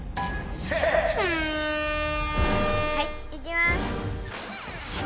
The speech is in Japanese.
はいいきます。